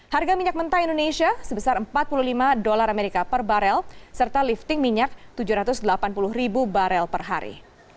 harga minyak mentah indonesia sebesar empat puluh lima dolar amerika per barel serta lifting minyak tujuh ratus delapan puluh ribu barel per hari